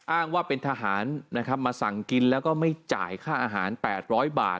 อ้างว่าเป็นทหารนะครับมาสั่งกินแล้วก็ไม่จ่ายค่าอาหาร๘๐๐บาท